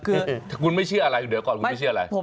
คุณไม่เชื่ออะไรดูเดี๋ยวก่อน